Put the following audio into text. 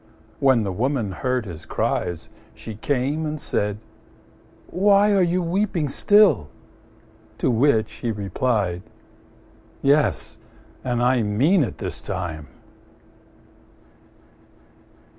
When the Woman heard his cries, she came and said, "Why, are you weeping still?" To which he replied, "Yes, and I mean it this time."